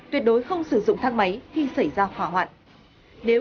tuyệt đối không sử dụng thang máy khi xảy ra hỏa hoạn